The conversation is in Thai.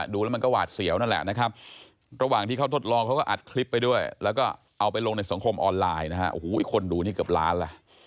คือมันไม่เข้าหรอกครับเพราะว่ามันไม่มีคม